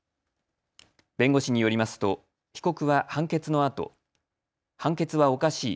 弁護士によりますと被告は判決のあと判決はおかしい。